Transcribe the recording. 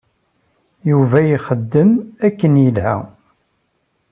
Yuba yexdem akken yelha.